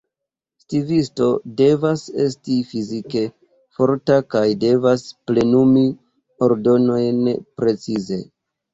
Stivisto devas esti fizike forta kaj devas plenumi ordonojn precize.